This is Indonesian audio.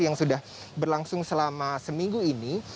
yang sudah berlangsung selama seminggu ini